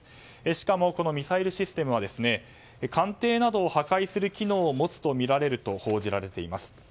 しかもこのミサイルシステムは艦艇などを破壊する機能を持つとみられると報じられています。